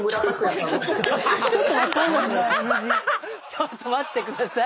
ちょっと待って下さい。